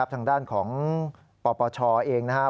ทางด้านของปปชเองนะครับ